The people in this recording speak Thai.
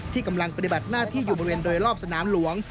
กำลังปฏิบัติหน้าที่อยู่บริเวณโดยรอบสนามหลวง